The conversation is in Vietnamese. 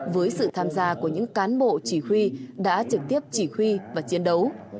với sự tham gia của những cán bộ chỉ huy đã trực tiếp chỉ huy và chiến đấu